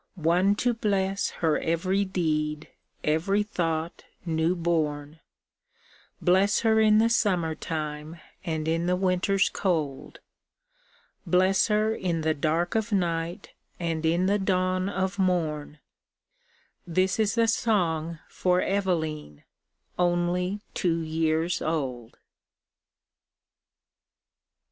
One to bless her every deed, every thought new bom, Bless her in the summer time and in the winter's cold, Bless her in the dark of night and in the dawn of mom, This a song for Evaleen, only two years old.